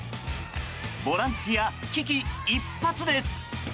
ボランティア危機一髪です。